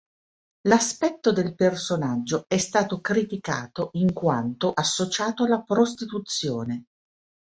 L'aspetto del personaggio è stato criticato in quanto associato alla prostituzione.